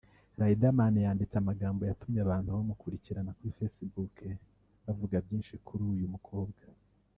Riderman yanditse amagambo yatumye abantu bamukurikirana kuri facebook bavuga byinshi kuri uyu mukobwa